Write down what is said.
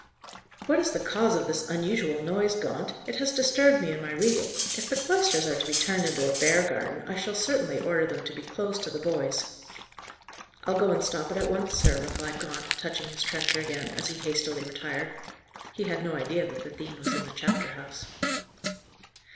"What is the cause of this unusual noise, Gaunt? It has disturbed me in my reading. If the cloisters are to be turned into a bear garden, I shall certainly order them to be closed to the boys." "I'll go and stop it at once, sir," replied Gaunt, touching his trencher again, as he hastily retired. He had no idea that the dean was in the chapter house.